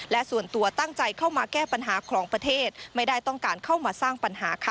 และส่วนตัวตั้งใจเข้ามาแก้ปัญหาของประเทศไม่ได้ต้องการเข้ามาสร้างปัญหาค่ะ